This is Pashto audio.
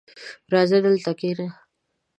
راځه دلته کښېنه!